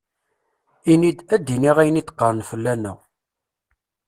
Ini-d ad iniɣ ayen i d-qqaṛen fell-aneɣ!